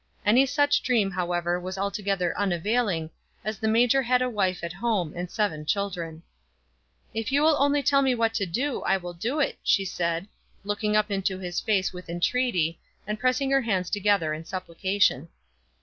Any such dream, however, was altogether unavailing, as the major had a wife at home and seven children. "If you will only tell me what to do, I will do it," she said, looking up into his face with entreaty, and pressing her hands together in supplication.